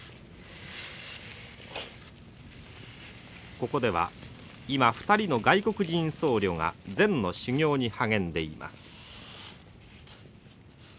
ここでは今２人の外国人僧侶が禅の修行に励んでいます。